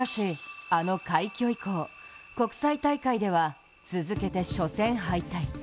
しかしあの快挙以降国際大会では、続けて初戦敗退。